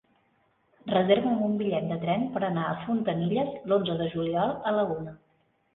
Reserva'm un bitllet de tren per anar a Fontanilles l'onze de juliol a la una.